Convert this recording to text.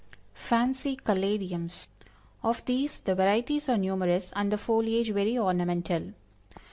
_ FANCY CALADIUMS. Of these the varieties are numerous, and the foliage very ornamental.